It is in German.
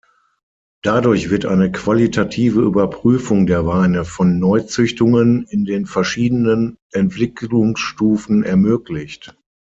Dadurch wird eine qualitative Überprüfung der Weine von Neuzüchtungen in den verschiedenen Entwicklungsstufen ermöglicht.